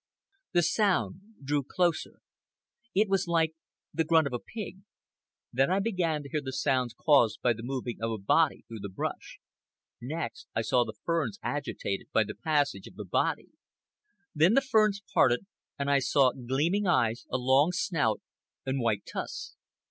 The sound drew closer. It was like the grunt of a pig. Then I began to hear the sounds caused by the moving of a body through the brush. Next I saw the ferns agitated by the passage of the body. Then the ferns parted, and I saw gleaming eyes, a long snout, and white tusks.